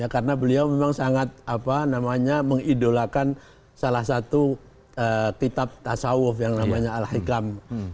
karena beliau memang sangat mengidolakan salah satu kitab tasawuf yang namanya al hikam